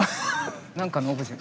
何かのオブジェ。